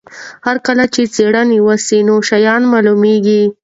هر کله چې څېړنه وسي نوي شیان معلومیږي.